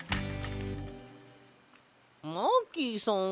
マーキーさん